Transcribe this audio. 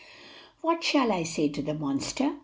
"What shall I say to the monster?"